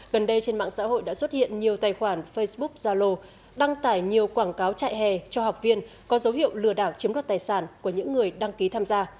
gần đây trên mạng xã hội đã xuất hiện nhiều tài khoản facebook zalo đăng tải nhiều quảng cáo chạy hè cho học viên có dấu hiệu lừa đảo chiếm đoạt tài sản của những người đăng ký tham gia